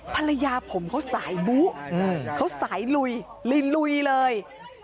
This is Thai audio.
ภรรยาผมเขาสายบู๊เขาสายลุยลุยเลย